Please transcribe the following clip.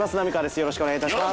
よろしくお願いします！